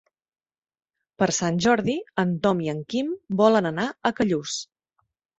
Per Sant Jordi en Tom i en Quim volen anar a Callús.